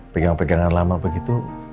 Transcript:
pegang pegangan lama begitu